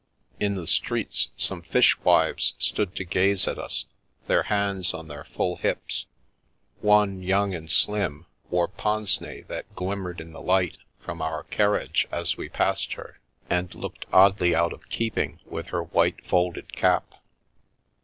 In the streets, some fishwives stood to gaze at us, their hands on their full hips ; one, young and slim, wore pince nez that glimmered in the light from our carriage as we passed her, and looked oddly out of keeping with her white, folded cap.